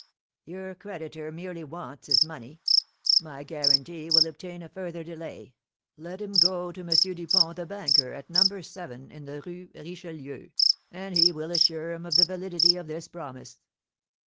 "Your creditor merely wants his money; my guarantee will obtain a further delay. Let him go to M. Dupont, the banker, at No. 7 in the Rue Richelieu, and he will assure him of the validity of this promise."